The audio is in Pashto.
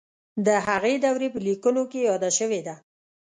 د هغې دورې په لیکنو کې یاده شوې ده.